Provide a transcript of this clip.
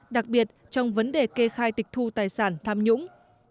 đặc biệt trong vấn đề kê khai tịch thu tài sản tham nhũng